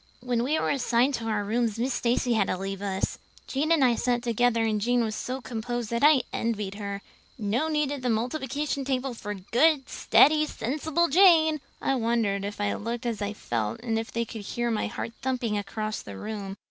"When we were assigned to our rooms Miss Stacy had to leave us. Jane and I sat together and Jane was so composed that I envied her. No need of the multiplication table for good, steady, sensible Jane! I wondered if I looked as I felt and if they could hear my heart thumping clear across the room.